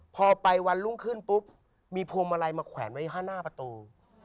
พอไปวันรุ่งขึ้นปุ๊บมีพวงมาลัยมาแขวนไว้๕หน้าประตู